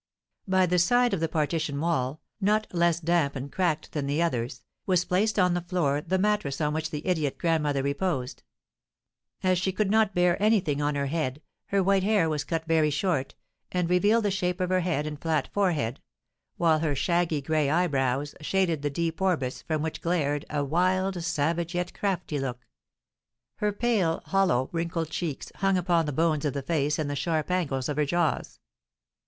By the side of the partition wall, not less damp and cracked than the others, was placed on the floor the mattress on which the idiot grandmother reposed; as she could not bear anything on her head, her white hair was cut very short, and revealed the shape of her head and flat forehead; while her shaggy, gray eyebrows shaded the deep orbits, from which glared a wild, savage, yet crafty look; her pale, hollow, wrinkled cheeks hung upon the bones of the face and the sharp angles of her jaws.